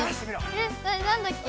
えっ何だっけ？